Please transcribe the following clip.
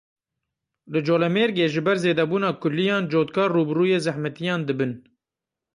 Li Colemêrgê ji ber zêdebûba kuliyan cotkar rûbirûyê zehmetiyan dibin.